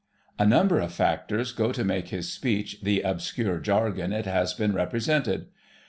A number of factors go to make his speech the obscure jargon it has been represented.